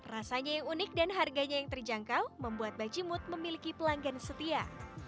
rasanya yang unik dan harganya yang terjangkau membuat bajimut memiliki pelanggan setia